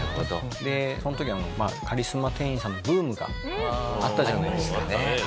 その時カリスマ店員さんのブームがあったじゃないですか。